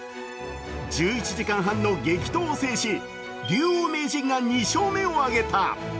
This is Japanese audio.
１１時間半の激闘を制し、竜王名人が２勝目を挙げた。